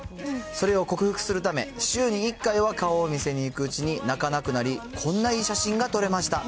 それを克服するため、週に一回は顔を見せるうちに泣かなくなり、こんないい写真が撮れました。